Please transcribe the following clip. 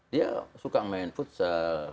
dia suka main futsal